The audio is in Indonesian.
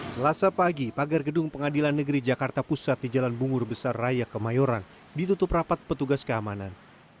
selasa pagi pagar gedung pengadilan negeri jakarta pusat di jalan bungur besar raya kemayoran ditutup rapat petugas keamanan